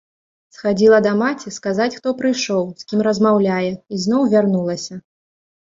Схадзіла да маці, сказаць, хто прыйшоў, з кім размаўляе, і зноў вярнулася.